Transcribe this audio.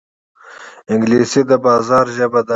انګلیسي د بازار ژبه ده